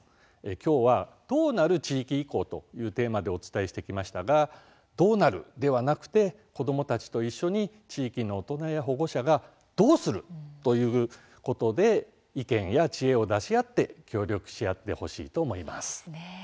きょうは「どうなる？地域移行」というテーマでお伝えしてきましたが「どうなる？」ではなくて子どもたちと一緒に地域の大人や保護者が「どうする？」ということで意見や知恵を出し合って協力し合ってほしいと思います。